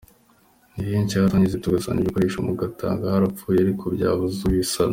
Ni henshi twageze tugasanga ibikoresho mutanga byarapfuye ariko byabuze ubisana.